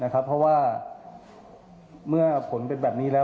เพราะว่าเมื่อผลเป็นแบบนี้แล้ว